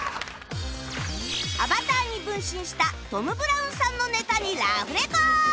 アバターに分身したトム・ブラウンさんのネタにラフレコ！